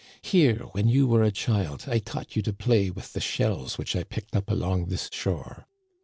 Here, when you were a child, I taught you to play with the shells which I picked up along this shore.